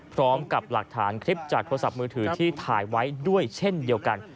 พร้อมกับหลักฐานคลิปจากโทรศัพท์มือถือที่ถ่ายไว้ด้วยเช่นเดียวกัน